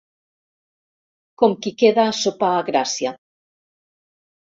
Com qui queda a sopar a Gràcia.